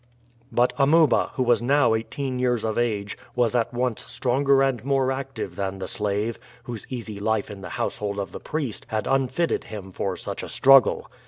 But Amuba, who was now eighteen years of age, was at once stronger and more active than the slave, whose easy life in the household of the priest had unfitted him for such a struggle.